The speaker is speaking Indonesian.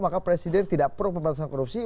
maka presiden tidak pro pemberantasan korupsi